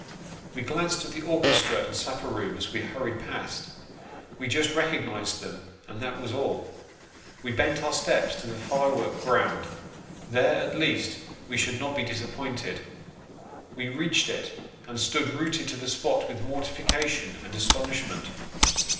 We glanced at the orchestra and supper room as we hurried past we just recognised them, and that was all. We bent our steps to the firework ground ; there, at least, we should not be disappointed. We reached it, and stood rooted to the spot with mortificatio r and astonishment.